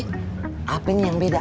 hp nya yang beda